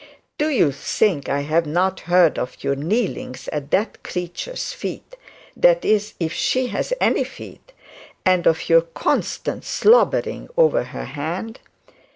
Do you think I have not heard of your kneelings at that creature's feet that is if she has any feet and of your constant slobbering over her hand?